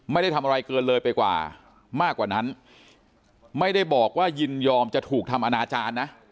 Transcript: ไม่ได้ทำอะไรเกินเลยไปกว่ามากกว่านั้นไม่ได้บอกว่ายินยอมจะถูกทำอนาจารย์นะ